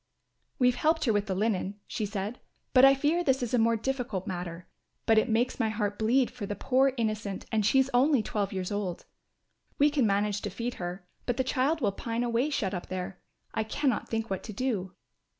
"We helped her with the linen," she said, "but I fear this is a more difficult matter; but it makes my heart bleed for the poor innocent and she only twelve years old. We can manage to feed her, but the child will pine away shut up there. I cannot think what to do."